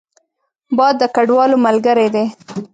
باد د کډوالو ملګری دی